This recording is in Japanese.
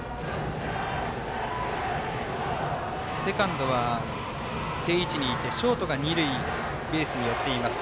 セカンドは定位置にいてショートが二塁ベースに寄っています。